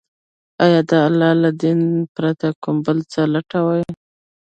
آيا د الله له دين پرته كوم بل څه لټوي،